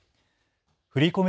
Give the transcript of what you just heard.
振り込め